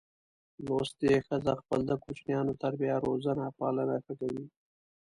لوستي ښځه خپل د کوچینیانو تربیه روزنه پالنه ښه کوي.